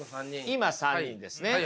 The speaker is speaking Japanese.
今３人ですね。